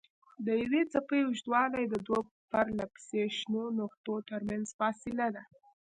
د یوې څپې اوږدوالی د دوو پرلهپسې شنو نقطو ترمنځ فاصله ده.